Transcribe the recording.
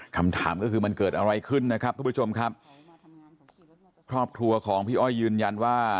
คำถามก็คือมันเกิดอะไรขึ้นนะครับทุกผู้ชมครับครอบครัวของพี่อ้อยยืนยันว่า